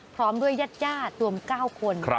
พร้อมด้วยญาติรวม๙คน